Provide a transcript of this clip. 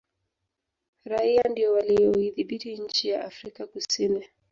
raia ndio waliyoidhibiti nchi ya afrika kusini